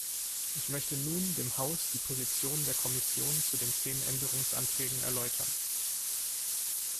Ich möchte nun dem Haus die Position der Kommission zu den zehn Änderungsanträgen erläutern.